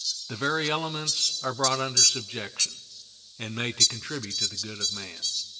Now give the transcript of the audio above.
The very elements are brought under subjection, and made to contribute to the good of man.